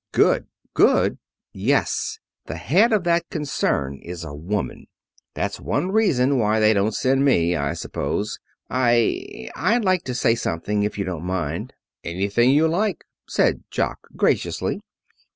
"Good!" "Good?" "Yes. The head of that concern is a woman. That's one reason why they didn't send me, I suppose. I I'd like to say something, if you don't mind." "Anything you like," said Jock graciously.